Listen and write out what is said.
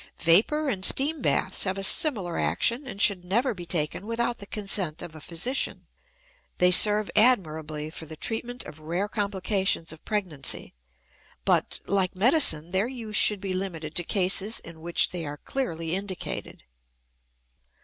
Vapor and steam baths have a similar action and should never be taken without the consent of a physician. They serve admirably for the treatment of rare complications of pregnancy; but, like medicine, their use should be limited to cases in which they are clearly indicated.